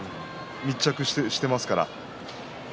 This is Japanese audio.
密着をしていますからね。